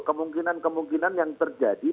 kemungkinan kemungkinan yang terjadi